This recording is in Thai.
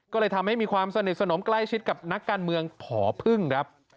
ก็เลยทำให้มีความสนิทสนมใกล้ชิดกับนักการเมืองผอพึ่งครับ